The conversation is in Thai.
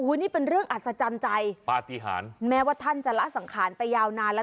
นี่เป็นเรื่องอัศจรรย์ใจปฏิหารแม้ว่าท่านจะละสังขารไปยาวนานแล้ว